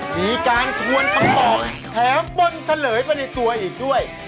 มีการทวนคำตอบแถมป้นเฉลยไปในตัวอีกด้วย